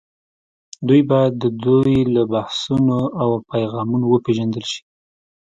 دوی باید د دوی له بحثونو او پیغامونو وپېژندل شي